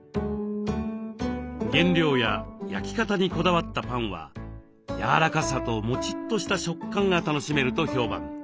原料や焼き方にこだわったパンはやわらかさとモチッとした食感が楽しめると評判。